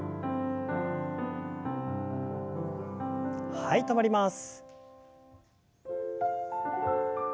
はい止まります。